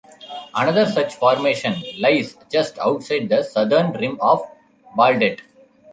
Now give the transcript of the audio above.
Another such formation lies just outside the southern rim of Baldet.